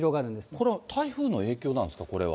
これは台風の影響なんですか、これは。